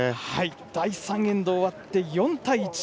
第３エンド終わって４対１。